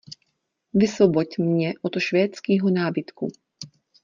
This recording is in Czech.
Vysvoboď mě od švédskýho nábytku!